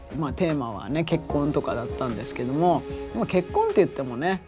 テーマは結婚とかだったんですけども結婚っていってもね